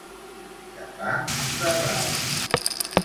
De pa de ral.